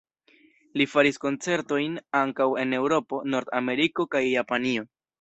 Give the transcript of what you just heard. Li faris koncertojn ankaŭ en Eŭropo, Nord-Ameriko kaj Japanio.